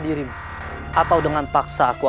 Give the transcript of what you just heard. jangan lupa kami